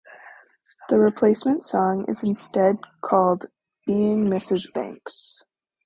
The replacement song is instead called "Being Mrs. Banks".